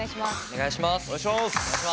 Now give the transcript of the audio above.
お願いします。